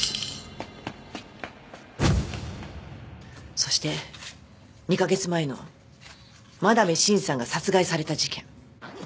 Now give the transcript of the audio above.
そして２カ月前の真鍋伸さんが殺害された事件。